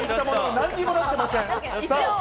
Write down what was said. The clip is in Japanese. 何にもなってません。